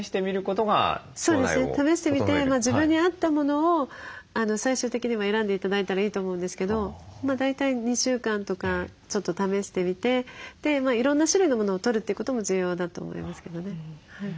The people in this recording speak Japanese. そうですね。試してみて自分に合ったものを最終的には選んで頂いたらいいと思うんですけど大体２週間とかちょっと試してみてでいろんな種類のものをとるということも重要だと思いますけどね。